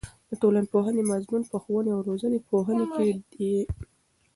د ټولنپوهنې مضمون په ښوونې او روزنې پوهنځي کې دی.